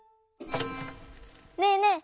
ねえねえ